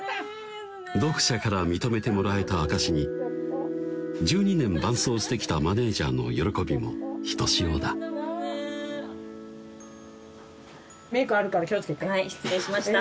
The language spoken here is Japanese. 読者から認めてもらえた証しに１２年伴走してきたマネージャーの喜びもひとしおだはい失礼しました